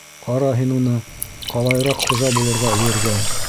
Ҡара һин уны, ҡалайыраҡ хужа булырға өлгөргән.